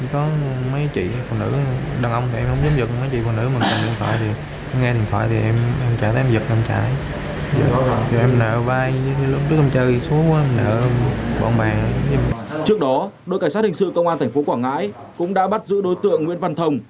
trước đó đội cảnh sát hình sự công an thành phố quảng ngãi cũng đã bắt giữ đối tượng nguyễn văn thồng